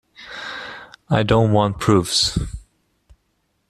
I don’t want proofs.